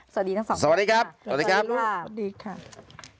สวัสดีทั้งสองสวัสดีครับสวัสดีครับสวัสดีค่ะ